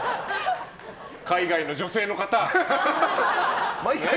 海外の女性の方！